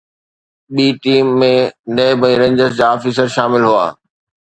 ٻي team ۾ NAB ۽ Rangers جا officer شامل هئا